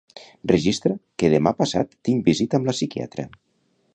Registra que demà passat tinc visita amb la psiquiatra.